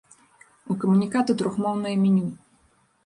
У камуніката трохмоўнае меню.